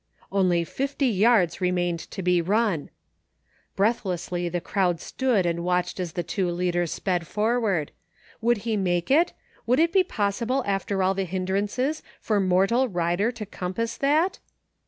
Only fifty yards remained to be run. Breathlessly the crowd stood and watched as the two leaders sped forward. Would he make it ? Would it be possible after all the hindrances for mortal rider to compass that?